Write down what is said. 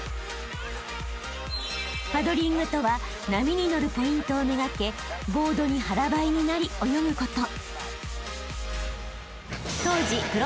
［パドリングとは波に乗るポイントをめがけボードに腹ばいになり泳ぐこと］